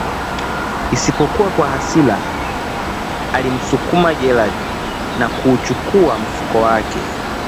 Isipokuwa kwa hasira alimsukuma Jared na kuuchukua mfuko wake